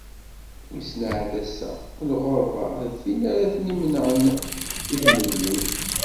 Wissen ahat ass-a lɣerba d tin ara ten-imenɛen i tmedlin.